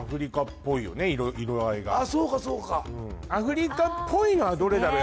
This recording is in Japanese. ああそうかそうかアフリカっぽいのはどれだろう